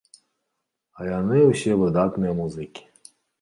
А яны ўсе выдатныя музыкі.